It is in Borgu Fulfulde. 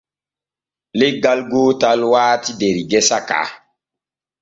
Leggal gootal waati der gesa ka.